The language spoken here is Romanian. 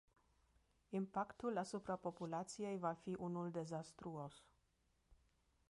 Impactul asupra populației va fi unul dezastruos.